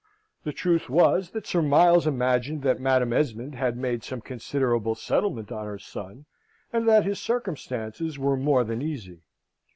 The truth was, that Sir Miles imagined that Madam Esmond had made some considerable settlement on her son, and that his circumstances were more than easy.